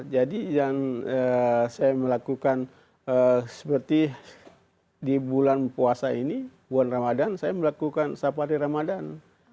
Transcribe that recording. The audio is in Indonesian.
yang saya melakukan seperti di bulan puasa ini bulan ramadhan saya melakukan safari ramadan